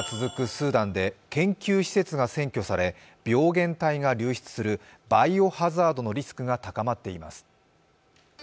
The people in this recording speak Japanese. スーダンで研究施設が占拠され、病原体が流出するバイオ・ハザードのリスクが高まっています。